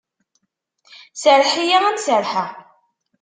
Serreḥ-iyi ad am-serrḥeɣ.